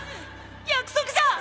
約束じゃ！